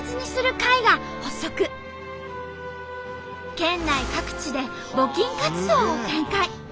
県内各地で募金活動を展開。